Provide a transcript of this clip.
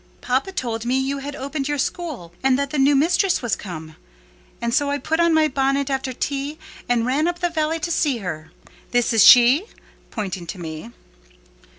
Papa told me you had opened your school, and that the new mistress was come; and so I put on my bonnet after tea, and ran up the valley to see her: this is she?" pointing to me.